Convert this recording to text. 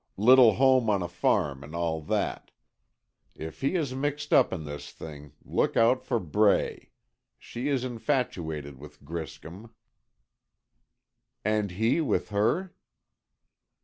Little home on a farm and all that. If he is mixed up in this thing, look out for Bray. She is infatuated with Griscom——" "And he with her?"